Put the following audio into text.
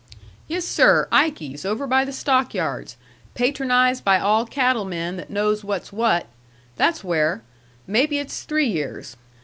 "Yes, sir! Ikey's over by the stock yards, patronized by all cattle men that know what's what. That's where. Maybe it's three years.